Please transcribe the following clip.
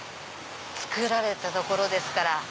造られたところですから。